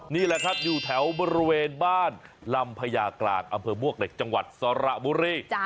นี่แหละครับอยู่แถวบริเวณบ้านลำพญากลางอำเภอมวกเหล็กจังหวัดสระบุรี